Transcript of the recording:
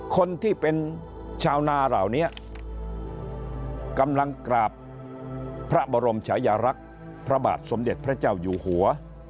คนที่เป็นชาวนาเหล่านี้กำลังกราบพระบรมชายรักษ์พระบาทสมเด็จพระเจ้าอยู่หัว